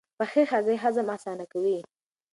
پخې هګۍ هضم اسانه کوي.